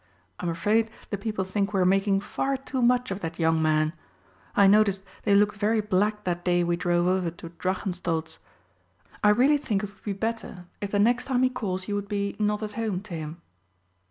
I'm afraid the People think we are making far too much of that young man. I noticed they looked very black that day we drove over to Drachenstolz. I really think it would be better if the next time he calls you would be 'not at home' to him."